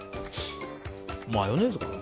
マヨネーズかな。